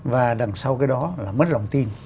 và đằng sau cái đó là mất lòng tin